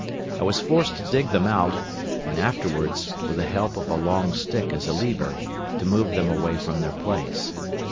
I was forced to dig them out and afterwards, with the help of a long stick as a lever, to move them from their place.